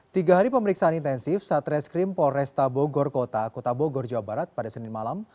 tiga hari pemeriksaan intensif satreskrim polresta bogor kota kota bogor jawa barat pada senin malam